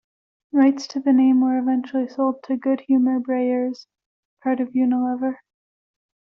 Rights to the name were eventually sold to Good Humor-Breyers, part of Unilever.